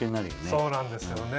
そうなんですよね